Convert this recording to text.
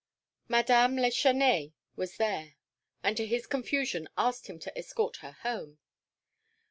Madame Lachesnais was there, and to his confusion asked him to escort her home.